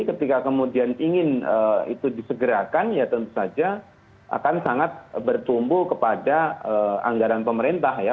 ketika kemudian ingin itu disegerakan ya tentu saja akan sangat bertumbuh kepada anggaran pemerintah ya